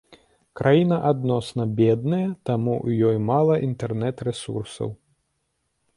Краіна адносна бедная, таму ў ёй мала інтэрнет-рэсурсаў.